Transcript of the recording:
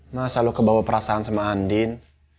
masa lu kebawa perasaan sama andin